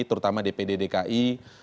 terutama di pddki